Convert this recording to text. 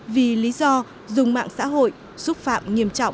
vì lý do dùng mạng xã hội xúc phạm nghiêm trọng